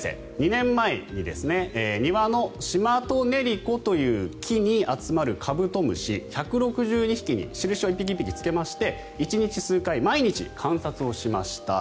２年前に庭のシマトネリコという木に集まるカブトムシ１６２匹に印を１匹１匹つけまして１日数回、毎日観察をしました。